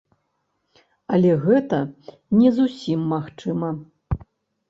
Але гэта не зусім магчыма.